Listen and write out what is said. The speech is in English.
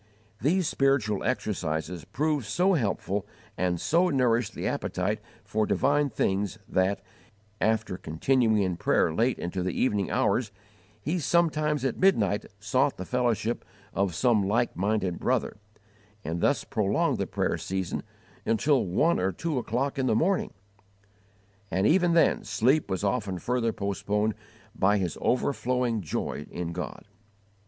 These spiritual exercises proved so helpful and so nourished the appetite for divine things that, after continuing in prayer late into the evening hours, he sometimes at midnight sought the fellowship of some like minded brother, and thus prolonged the prayer season until one or two o'clock in the morning; and even then sleep was often further postponed by his overflowing joy in God.